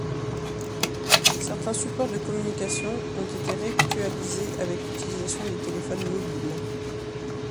Certains supports de communication ont été réactualisés avec l’utilisation des téléphones mobiles.